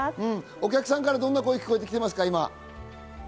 お客さんからはどんな声が聞こえていますか？